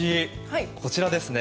こちらですね。